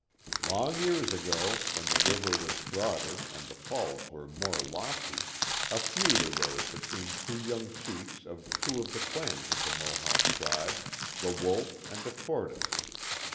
Long years ago, when the river was broader and the falls were more lofty, a feud arose between two young chiefs of two of the clans of the Mohawk tribe, the Wolf and Tortoise.